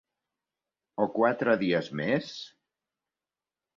O quatre dies més??